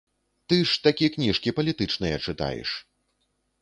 Ты ж такі кніжкі палітычныя чытаеш.